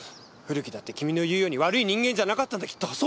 古木だって君の言うように悪い人間じゃなかったんだきっと。